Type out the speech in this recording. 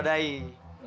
jadi tak tererodai